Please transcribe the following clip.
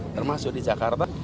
termasuk di jakarta